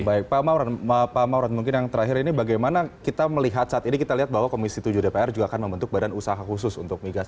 baik pak mauran mungkin yang terakhir ini bagaimana kita melihat saat ini kita lihat bahwa komisi tujuh dpr juga akan membentuk badan usaha khusus untuk migas